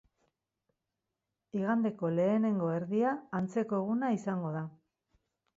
Igandeko lehenengo erdia antzeko eguna izango da.